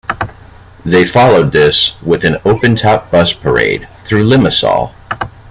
They followed this with an open-top bus parade through Limassol.